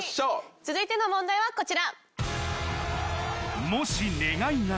続いての問題はこちら。